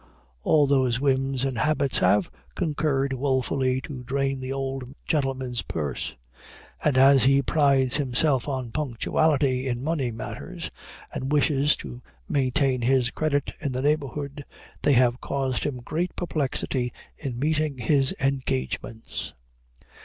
All those whims and habits have concurred woefully to drain the old gentleman's purse; and as he prides himself on punctuality in money matters, and wishes to maintain his credit in the neighborhood, they have caused him great perplexity in meeting his engagements.